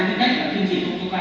là tuyên trì cục chúa ba